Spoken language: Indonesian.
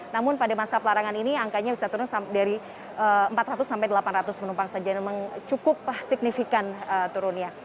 namun pada masa pelarangan ini angkanya bisa turun dari empat ratus sampai delapan ratus penumpang saja memang cukup signifikan turunnya